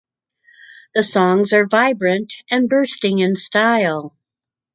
The songs are vibrant and bursting in style.